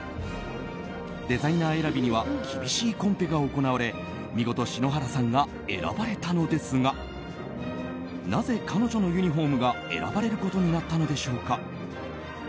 デザイナー選びには厳しいコンペが行われ見事、篠原さんが選ばれたのですがなぜ彼女のユニホームが選ばれることになったのでしょうか。